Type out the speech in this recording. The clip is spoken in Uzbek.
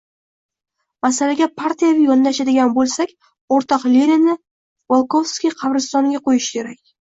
Masalaga partiyaviy yondashadigan bo‘lsak, o‘rtoq Leninni Volkovskiy qabristoniga qo‘yish kerak.